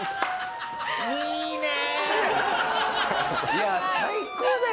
いや最高だよ